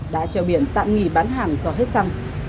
đã treo biển tạm nghỉ bán hàng do hết xăng